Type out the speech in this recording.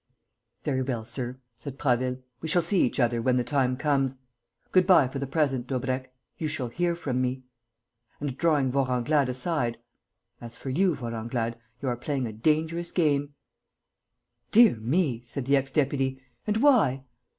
"Very well, sir," said Prasville. "We shall see each other when the time comes. Good bye for the present, Daubrecq: you shall hear from me." And, drawing Vorenglade aside, "As for you, Vorenglade, you are playing a dangerous game." "Dear me!" said the ex deputy. "And why?"